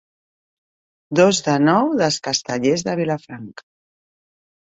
Dos de nou dels Castellers de Vilafranca.